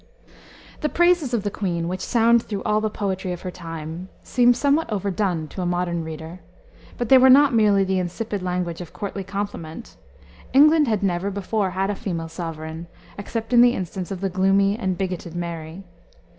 The praises of the queen, which sound through all the poetry of her time, seem somewhat overdone to a modern reader. But they were not merely the insipid language of courtly compliment. England had never before had a female sovereign, except in the instance of the gloomy and bigoted Mary.